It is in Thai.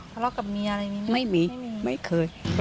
ทะเลาะกับเมียอะไรมีมั้ยครับไม่มีรึเปล่า